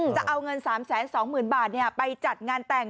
จะเอาเงิน๓๒หมื่นบาทเนี่ยไปจัดงานแต่ง